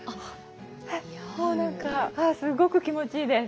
なんかすっごく気持ちいいです。